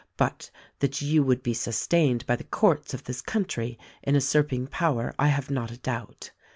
But that you would be sustained by the courts of this country in usurping power I have not a doubt.